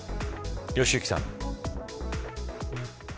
良幸さん。